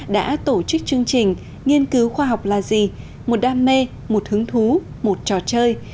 đã tổ chức chương trình nghiên cứu khoa học là gì một đam mê một hứng thú một trò chơi